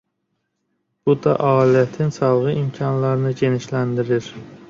Bu da alətin çalğı imkanlarını genişləndirir.